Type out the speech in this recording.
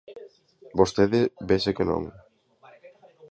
Vostede vese que non.